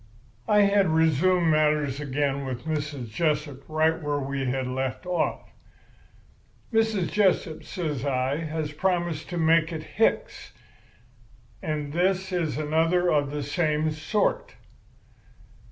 "I had resumed matters again with Mrs. Jessup right where we had left off. "'Mrs. Jessup,' says I, 'has promised to make it Hicks. And this is another of the same sort.